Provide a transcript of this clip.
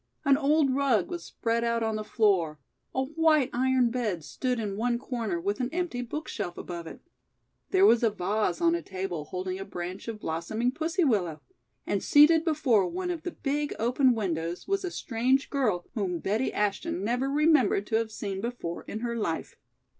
An old rug was spread out on the floor, a white iron bed stood in one corner with an empty bookshelf above it. There was a vase on a table holding a branch of blossoming pussy willow, and seated before one of the big, open windows was a strange girl whom Betty Ashton never remembered to have seen before in her life.